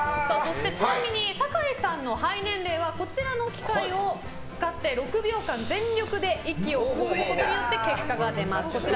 ちなみに酒井さんの肺年齢はこちらの機械を使って、６秒間全力で息を吹くことによって結果が出ます。